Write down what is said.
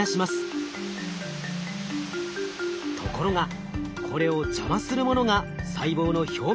ところがこれを邪魔するものが細胞の表面にあります。